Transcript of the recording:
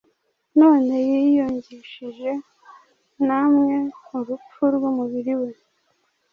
none yiyungishije namwe urupfu rw’umubiri we,